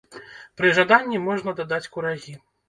Пры жаданні можна дадаць курагі.